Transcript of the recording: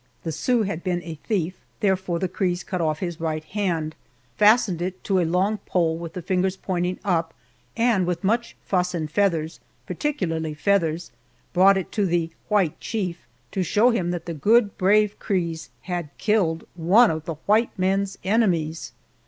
The Sioux had been a thief, therefore the Crees cut off his right hand, fastened it to a long pole with the fingers pointing up, and with much fuss and feathers particularly feathers brought it to the "White Chief," to show him that the good, brave Crees had killed one of the white man's enemies!